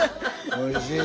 おいしい！